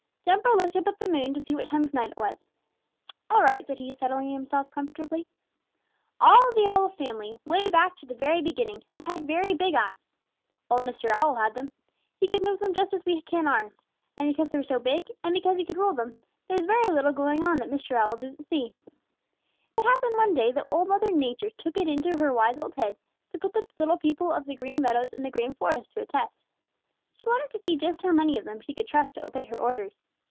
Jumper looked up at the moon to see what time of night it was. "All right," said he, settling himself comfortably. "All the Owl family, way back to the very beginning, have had very big eyes. Old Mr. Owl had them. He could move them just as we can ours. And because they were so big, and because he could roll them, there was very little going on that Mr. Owl didn't see. It happened one day that Old Mother Nature took it into her wise old head to put the little people of the Green Meadows and the Green Forest to a test. She wanted to see just how many of them she could trust to obey her orders.